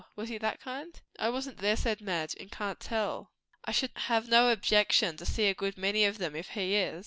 Was he that kind?" "I wasn't there," said Madge, "and can't tell. I should have no objection to see a good many of them, if he is."